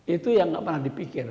itu yang gak pernah dipikir